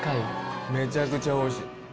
めちゃくちゃおいしい。